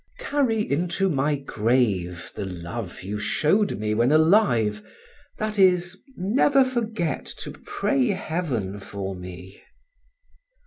Carry into my grave the love you showed me when alive; that is, never forget to pray Heaven for me.